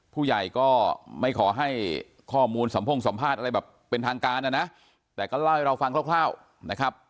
ผู้ใหญ่ก็ไม่ขอให้ข้อมูลสัมพ่งสัมภาษณ์อะไรแบบเป็นทางการนะนะแต่ก็เล่าให้เราฟังคร่าวนะครับ